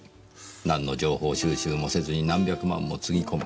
何の情報収集もせずに何百万もつぎ込む。